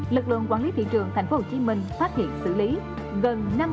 lực lượng quản lý thị trường tp hcm phát hiện xử lý gần năm vụn lậu